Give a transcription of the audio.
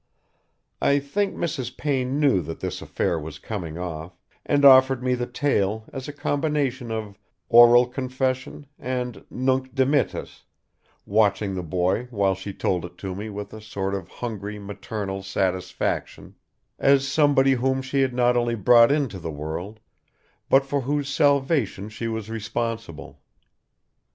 I think Mrs. Payne knew that this affair was coming off, and offered me the tale as a combination of oral confession and Nunc Dimittis, watching the boy while she told it to me with a sort of hungry maternal satisfaction, as somebody whom she had not only brought into the world but for whose salvation she was responsible.